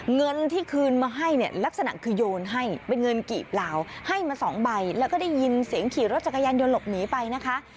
เงินที่คืนมาให้เนี่ยลักษณะคือโยนให้เป็นเงินกี่เปล่าให้มาสองใบแล้วก็ได้ยินเสียงขี่รถจักรยานยนต์หลบหนีไปนะคะ